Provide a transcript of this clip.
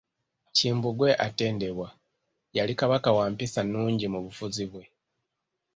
Kimbugwe atendebwa, yali Kabaka wa mpisa nnungi mu bufuzi bwe.